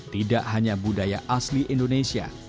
tidak hanya budaya asli indonesia